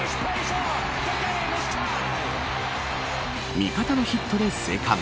味方のヒットで生還。